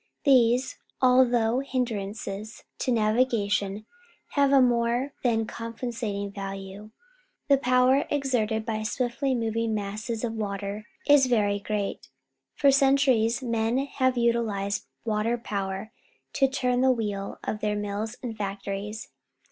These, although hin drances to navigation, have a more than compensating value. The power exerted by swiftly moving masses of water is very great. For centuries men have utilized water power to turn the wheels of their mills and factories.